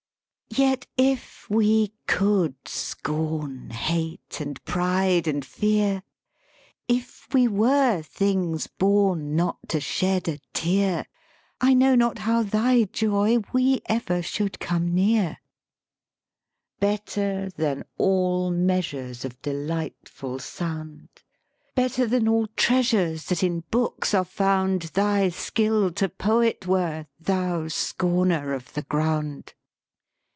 "Yet if we could scorn Hate and pride and fear; If we were things born Not to shed a tear, I know not how thy joy we ever should come near. 122 LYRIC POETRY "Better than all measures Of delightful sound, Better than all treasures That in books are found, Thy skill to poet were, thou scorner of the ground!